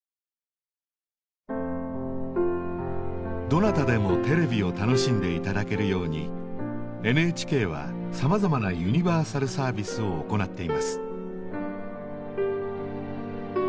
どなたでもテレビを楽しんで頂けるようにＮＨＫはさまざまなユニバーサルサービスを行っています。